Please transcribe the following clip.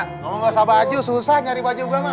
ngomong gausah baju susah nyari baju gua mah